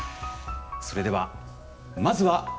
それではまずは。